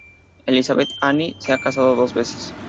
Elisabeth-Anne se ha casado dos veces.